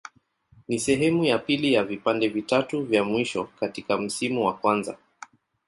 Ni sehemu ya pili ya vipande vitatu vya mwisho katika msimu wa kwanza.